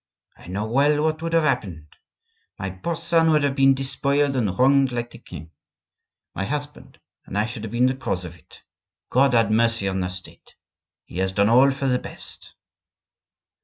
I know well what would have happened. My poor son would have been despoiled and wronged like the king, my husband, and I should have been the cause of it. God had mercy on the State; he has done all for the best."